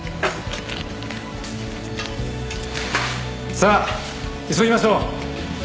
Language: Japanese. さあ急ぎましょう。